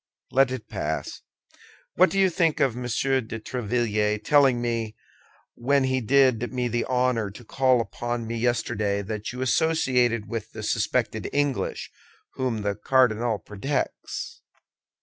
"Let it pass. What do you think of Monsieur de Tréville telling me, when he did me the honor to call upon me yesterday, that you associated with the suspected English, whom the cardinal protects?"